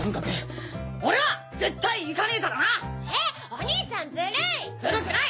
お兄ちゃんずるい！